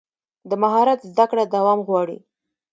د مهارت زده کړه دوام غواړي.